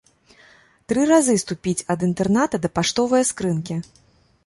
Тры разы ступіць ад інтэрната да паштовае скрынкі.